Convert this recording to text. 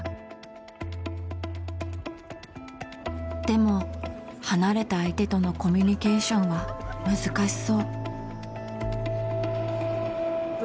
でも離れた相手とのコミュニケーションは難しそう。